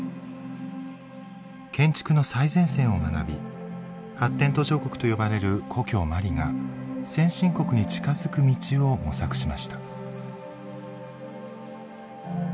建築の最前線を学び発展途上国と呼ばれる故郷マリが先進国に近づく道を模索しました。